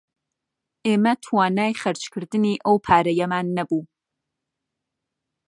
ئێمە توانای خەرچکردنی ئەو پارەیەمان نەبوو